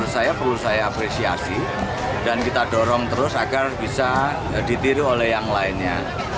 saya perlu saya apresiasi dan kita dorong terus agar bisa ditiru oleh yang lainnya